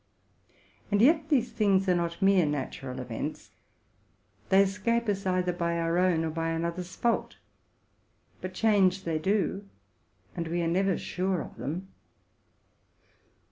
And yet these things are not mere nat ural events ; they escape us either by our own or by another's fault; but change they do, and we are never sure of them.